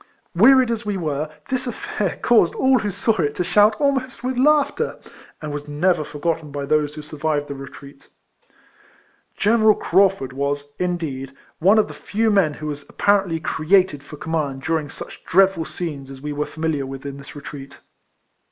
Wearied as we were, this aifair caused all who saw it to shout almost with laughter, and was never forgotten by those who sur vived the retreat. General Craufurd was, indeed, one of the few men who was apparently created for com mand during such dreadful scenes as we were familiar with in this retreat.